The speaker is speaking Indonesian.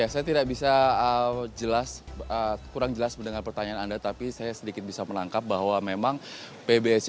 saya tidak bisa kurang jelas mendengar pertanyaan anda tapi saya sedikit bisa menangkap bahwa memang pbsi